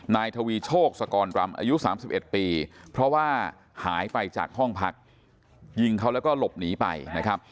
นายทวีโชคสกรรำอายุ๓๑ปีเพราะว่าหายไปจากห้องพักยิงเขาแล้วก็หลบหนีไปนะครับ